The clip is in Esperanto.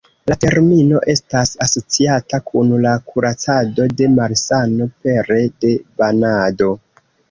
La termino estas asociata kun la kuracado de malsano pere de banado.